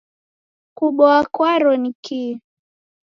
Kuboa kwaro ni kii?